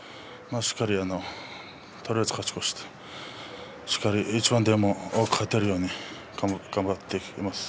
とりあえず勝ち越してしっかり一番でも多く勝てるように頑張っていきます。